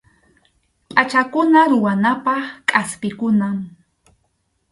Pʼachakuna ruranapaq kʼaspikunam.